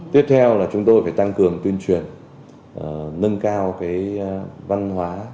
tiếp theo là chúng tôi phải tăng cường tuyên truyền nâng cao văn hóa